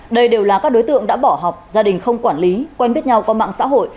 đây đều là các đối tượng đã bỏ học gia đình không quản lý quen biết nhau qua mạng xã hội